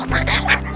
opa yang menang